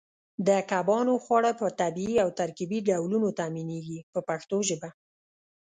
د کبانو خواړه په طبیعي او ترکیبي ډولونو تامینېږي په پښتو ژبه.